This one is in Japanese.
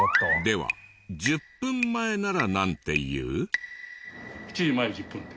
では１０分前ならなんて言う？